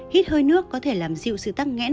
hít hơi nước có thể làm dịu sự tắc nghẽn